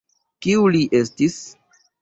Kiu li estis?